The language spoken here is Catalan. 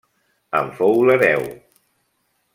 En fou l'hereu.